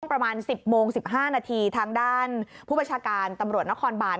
ประมาณ๑๐โมง๑๕นาทีทางด้านผู้บัญชาการตำรวจนครบาน